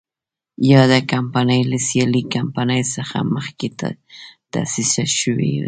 یاده کمپنۍ له سیالې کمپنۍ څخه مخکې تاسیس شوې وه.